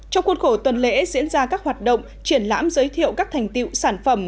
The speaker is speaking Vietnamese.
trong khuôn khổ tuần lễ diễn ra các hoạt động triển lãm giới thiệu các thành tiệu sản phẩm